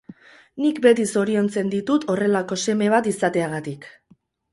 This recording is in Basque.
Nik beti zoriontzen ditut horrelako seme bat izateagatik.